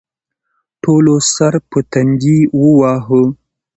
ټولو سر تندی واهه.